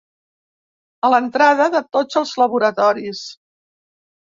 A l'entrada de tots els laboratoris.